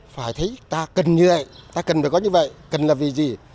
phải thấy ta cần như vậy ta cần phải có như vậy cần là vì gì